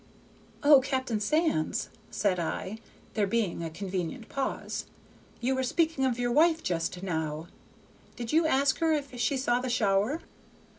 "O Captain Sands!" said I, there being a convenient pause, "you were speaking of your wife just now; did you ask her if she saw the shower?"